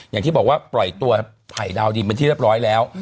อย่างที่บอกว่าปล่อยตัวไผ่ดาวดินเป็นที่เรียบร้อยแล้ว